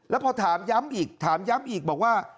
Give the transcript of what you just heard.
แล้วพอถามย้ำอีกถามย้ำอีกบอกว่า